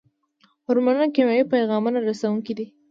هورمونونه کیمیاوي پیغام رسوونکي دي